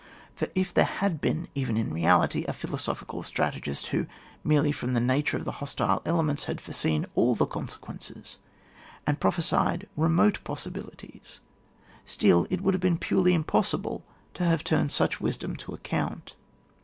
For if there had been, even in reality, a philosophical strategist, who merely from the nature of the hostile elements, had foreseen all the consequences, and prophesied remote possibilities, still it would have been X)urely impossible to have turned such wisdom to account.